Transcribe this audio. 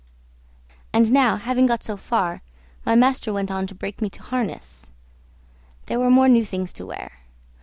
And now having got so far, my master went on to break me to harness; there were more new things to wear.